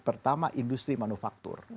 pertama industri manufaktur